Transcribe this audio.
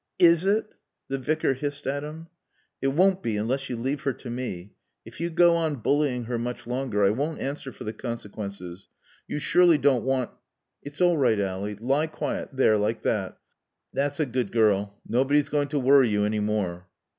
Is it?" The Vicar hissed at him. "It won't be unless you leave her to me. If you go on bullying her much longer I won't answer for the consequences. You surely don't want " "It's all right, Ally. Lie quiet, there like that. That's a good girl. Nobody's going to worry you any more."